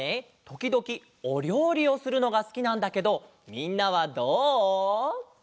ときどきおりょうりをするのがすきなんだけどみんなはどう？